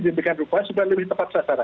diindikan rupa sudah lebih tepat sasaran